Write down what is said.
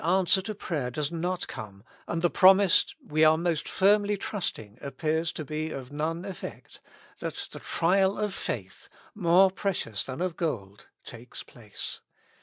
swer to prayer does not come, and the promise we are most firmly trusting appears to be of none effect, that the trial of faith, more precious than of gold, takes place.